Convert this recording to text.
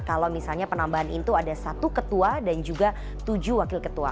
kalau misalnya penambahan itu ada satu ketua dan juga tujuh wakil ketua